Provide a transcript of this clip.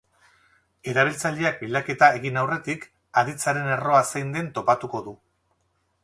Erabiltzaileak bilaketa egin aurretik, aditzaren erroa zein den topatuko du.